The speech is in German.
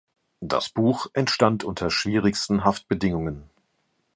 Das Buch entstand unter schwierigsten Haftbedingungen.